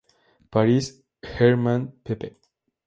Paris: Hermann, pp.